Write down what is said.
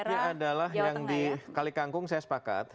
yang adalah yang di kalikangkung saya sepakat